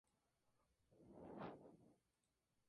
¿vosotras hubisteis partido?